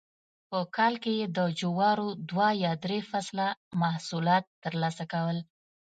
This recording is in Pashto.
په کال کې یې د جوارو دوه یا درې فصله محصولات ترلاسه کول